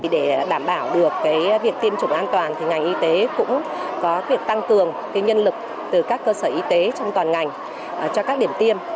để đảm bảo được việc tiêm chủng an toàn ngành y tế cũng có việc tăng cường nhân lực từ các cơ sở y tế trong toàn ngành cho các điểm tiêm